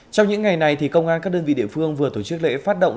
trong những ngày này công an các đơn vị địa phương vừa tổ chức lễ phát động